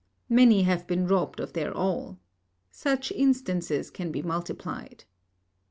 Many have been robbed of their all. Such instances can be multiplied.